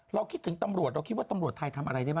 คิดถึงตำรวจเราคิดว่าตำรวจไทยทำอะไรได้บ้าง